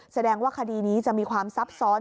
แสดงว่าคดีนี้จะมีความซับซ้อน